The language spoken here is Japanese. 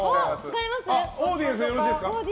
オーディエンスでよろしいですか。